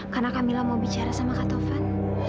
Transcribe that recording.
karena kamila mau bicara sama kak taufan